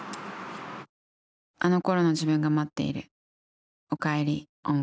あのころの自分が待っている「おかえり音楽室」。